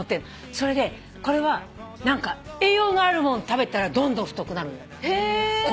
それでこれは何か栄養があるもの食べたらどんどん太くなるんだって模様が。